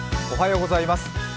おはようございます。